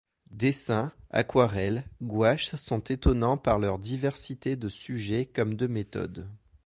Dessins, aquarelles, gouaches sont étonnants par leur diversité de sujets comme de méthode.